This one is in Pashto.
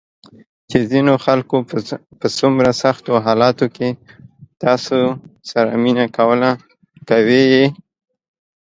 چې ځینو خلکو په څومره سختو حالاتو کې تاسو سره مینه کوله، کوي یې ~